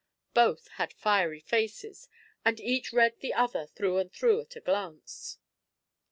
Both had fiery faces, and each read the other through and through at a glance.